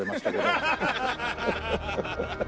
ハハハハ。